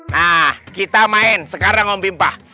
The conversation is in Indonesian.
nah kita main sekarang om pimpah